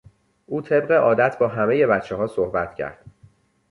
او طبق عادت با همهی بچه ها صحبت کرد.